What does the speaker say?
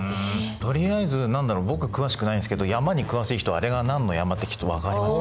とりあえず何だろう僕詳しくないですけど山に詳しい人はあれが何の山ってきっと分かりますよね。